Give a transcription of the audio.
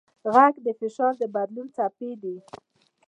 غږ د فشار د بدلون څپې دي.